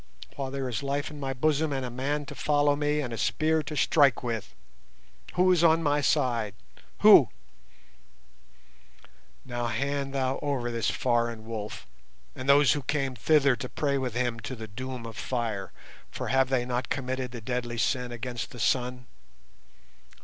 while there is life in my bosom and a man to follow me and a spear to strike with. Who is on my side? Who? "Now hand thou over this foreign wolf and those who came hither to prey with him to the doom of fire, for have they not committed the deadly sin against the sun?